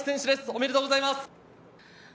おめでとうございます。